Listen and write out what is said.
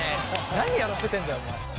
何やらせてんだよお前。